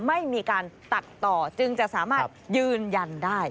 ไม่มีการตัดต่อจึงจะสามารถยืนยันได้